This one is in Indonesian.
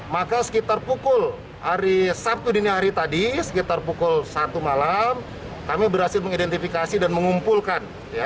maka sekitar pukul hari sabtu dini hari tadi sekitar pukul satu malam kami berhasil mengidentifikasi dan mengumpulkan